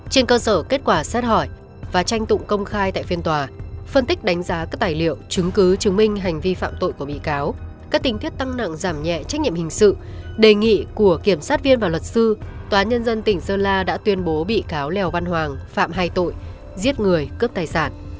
trên cơ sở kết quả xét hỏi và tranh tụng công khai tại phiên tòa phân tích đánh giá các tài liệu chứng cứ chứng minh hành vi phạm tội của bị cáo các tình tiết tăng nặng giảm nhẹ trách nhiệm hình sự đề nghị của kiểm sát viên và luật sư tòa nhân dân tỉnh sơn la đã tuyên bố bị cáo lèo văn hoàng phạm hai tội giết người cướp tài sản